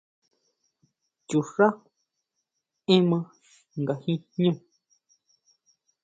Chuxʼá énma nga jin jñú.